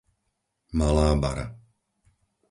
Malá Bara